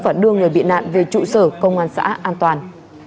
và đưa người bị nạn về trụ sở công an xã an toàn